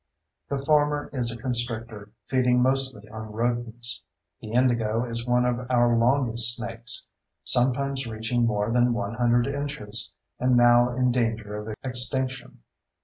The former is a constrictor, feeding mostly on rodents. The indigo is one of our longest snakes—sometimes reaching more than 100 inches—and now in danger of extinction.